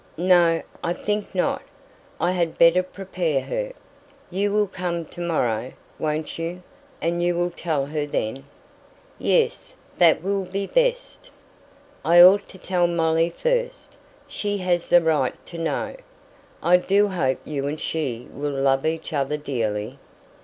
"No! I think not. I had better prepare her. You will come to morrow, won't you? and you will tell her then." "Yes; that will be best. I ought to tell Molly first. She has the right to know. I do hope you and she will love each other dearly."